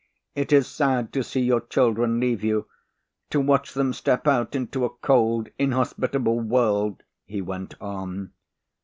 "It is sad to see your children leave you. To watch them step out into a cold, inhospitable world," he went on.